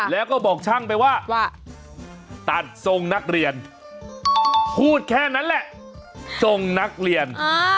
แล้วก็บอกช่างไปว่าว่าตัดทรงนักเรียนพูดแค่นั้นแหละทรงนักเรียน